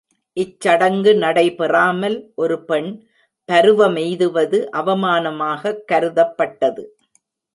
இச்சடங்கு நடைபெறாமல் ஒருபெண் பருவமெய்துவது, அவமானமாகக் கருதப்பட்டது.